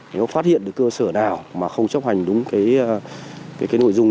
nếu phát hiện được cơ sở nào mà không chấp hành đúng cái nội dung